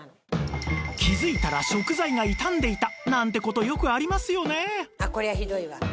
気づいたら食材が傷んでいたなんて事よくありますよね